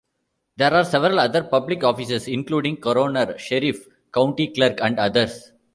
There are several other public offices including Coroner, Sheriff, County Clerk and others.